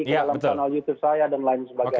ke dalam channel youtube saya dan lain sebagainya